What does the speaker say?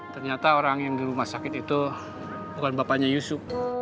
ternyata orang yang di rumah sakit itu bukan bapaknya yusuf